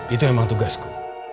itu memang tugasku